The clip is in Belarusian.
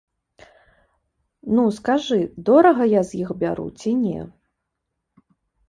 Ну, скажы, дорага я з іх бяру ці не?